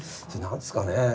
何ですかねえ。